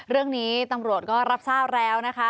เรื่องนี้ตำรวจก็รับทราบแล้วนะคะ